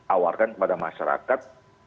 awarkan kepada masyarakat